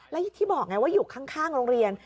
และอย่างที่บอกไงว่าอยู่ข้างโรงเรียน